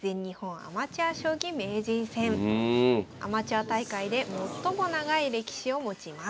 アマチュア大会で最も長い歴史を持ちます。